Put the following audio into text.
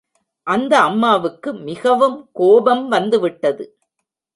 அந்த அம்மாவுக்கு மிகவும் கோபம் வந்துவிட்டது.